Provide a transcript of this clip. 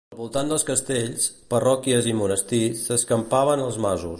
Al voltant dels castells, parròquies i monestirs s'escampaven els masos.